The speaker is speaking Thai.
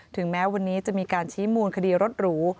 ถึงแม้วันนี้จะมีการชี้มูลคดีรถหรู